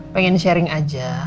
pengen sharing aja